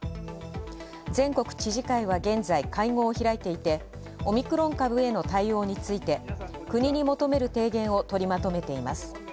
全国知事会は現在、会合を開いていて、オミクロン株への対応について国に求める提言を取りまとめています。